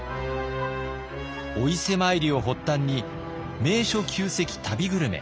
お伊勢参りを発端に名所旧跡旅グルメ。